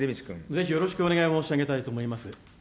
ぜひよろしくお願い申し上げたいと思います。